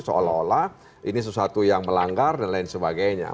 seolah olah ini sesuatu yang melanggar dan lain sebagainya